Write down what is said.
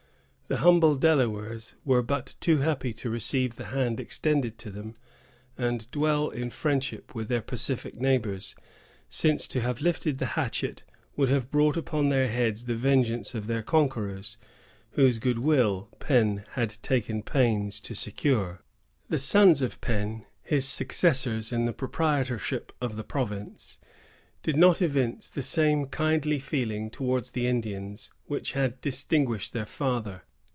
The humble Delawares were but too happy to receive the hand extended to them, and dwell in friendship with their pacific neighbors; since to have lifted the hatchet would have brought upon their heads the vengeance of their conquerors, whose good will Penn had taken pains to secure. The sons of Penn, his successors in the proprietorship of the province, did not evince the same kindly feeling towards the Indians which had distinguished their father.